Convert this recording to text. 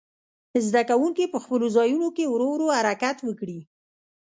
زده کوونکي په خپلو ځایونو کې ورو ورو حرکت وکړي.